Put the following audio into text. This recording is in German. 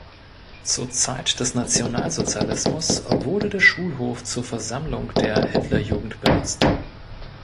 Zur Zeit des Nationalsozialismus wurde der Schulhof zur Versammlung der Hitler-Jugend benutzt.